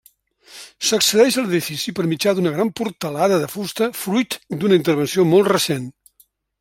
S'accedeix a l'edifici per mitjà d'una gran portalada de fusta fruit d'una intervenció molt recent.